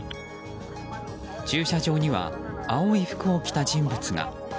駐車場には青い服を着た人物が。